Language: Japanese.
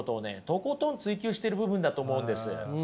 とことん追求してる部分だと思うんです。